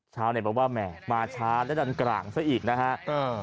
ชาวนี้บอกว่ามาช้าและดันกลางซะอีกนะครับ